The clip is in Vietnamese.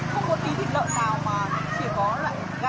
không có tí thịt lợn nào mà chỉ có loại gà